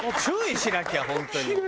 注意しなきゃ本当に。